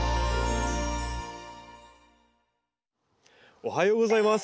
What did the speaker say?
おはようございます。